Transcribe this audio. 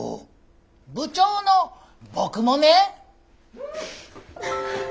部長の僕もね！